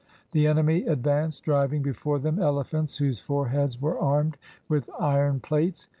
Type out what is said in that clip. The enemy advanced driving before them elephants whose foreheads were armed with iron plates.